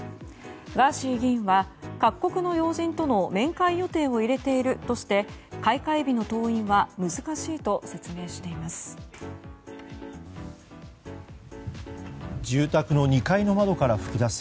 ガーシー議員は各国の要人との面会予定を入れているとして開会日の登院は難しいと説明しています。